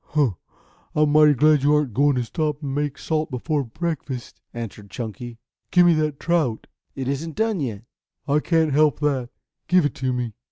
"Huh! I am mighty glad you aren't going to stop to make salt before breakfast," answered Chunky. "Give me that trout." "It isn't done yet." "I can't help that. Give it to me."